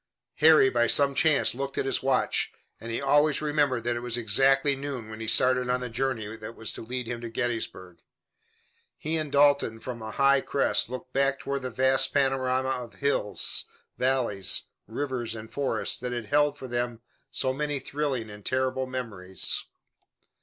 Harry by some chance looked at his watch, and he always remembered that it was exactly noon when he started on the journey that was to lead him to Gettysburg. He and Dalton from a high crest looked back toward the vast panorama of hills, valleys, rivers and forest that had held for them so many thrilling and terrible memories.